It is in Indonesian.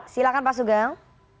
silahkan pak sugeng